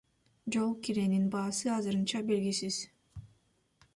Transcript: Жол киренин баасы азырынча белгисиз.